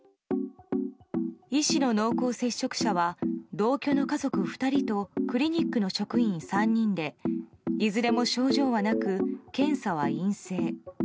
医師の濃厚接触者は同居の家族２人とクリニックの職員３人でいずれも症状はなく検査は陰性。